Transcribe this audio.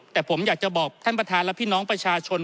แต่ผมอยากจะบอกท่านประธานและพี่น้องประชาชน